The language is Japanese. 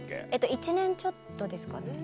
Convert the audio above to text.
１年ちょっとですかね。